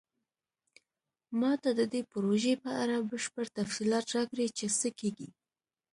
ما ته د دې پروژې په اړه بشپړ تفصیلات راکړئ چې څه کیږي